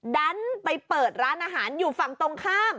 ดันไปเปิดร้านอาหารอยู่ฝั่งตรงข้าม